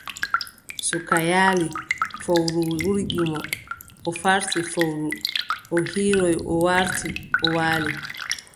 To suka yaali. Fowru ruggi mo. O farti fowru, o hiiroy, o warti, o waali.